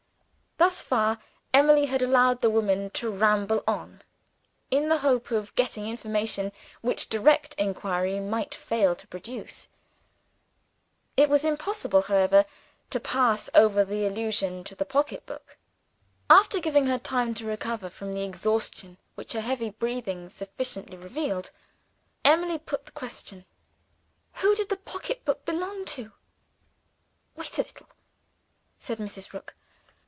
Thus far, Emily had allowed the woman to ramble on, in the hope of getting information which direct inquiry might fail to produce. It was impossible, however, to pass over the allusion to the pocketbook. After giving her time to recover from the exhaustion which her heavy breathing sufficiently revealed, Emily put the question: "Who did the pocketbook belong to?" "Wait a little," said Mrs. Rook.